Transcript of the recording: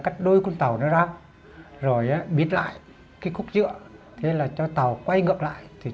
cái khúc dựa cho tàu quay ngược lại